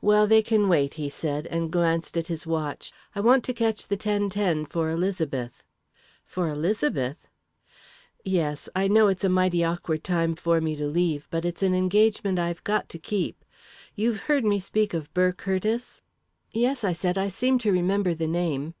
"Well, they can wait," he said, and glanced at his watch. "I want to catch the ten ten for Elizabeth." "For Elizabeth?" "Yes. I know it's a mighty awkward time for me to leave, but it's an engagement I've got to keep. You've heard me speak of Burr Curtiss?" "Yes," I said; "I seem to remember the name."